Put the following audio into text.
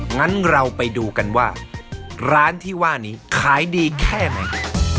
งั้นเราไปดูกันว่าร้านที่ว่านี้ขายดีแค่ไหน